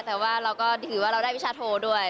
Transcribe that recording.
แต่ว่าเราก็ถือว่าเราได้วิชาโทด้วย